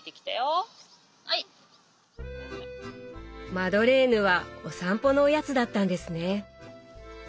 マドレーヌはお散歩のおやつだったんですね。